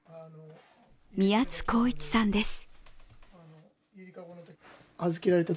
宮津航一さんです。